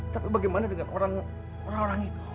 tapi bagaimana dengan orang orang itu